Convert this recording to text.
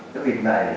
có hiểu được